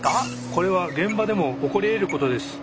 これは現場でも起こりえることです。